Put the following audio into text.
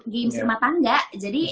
game seri matangga jadi